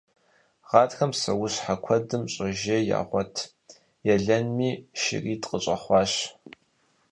Гъатхэм псэущхьэ куэдым щӀэжьей ягъуэт, елэнми шыритӀ къыщӀэхъуащ.